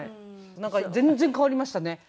なんか全然変わりましたね。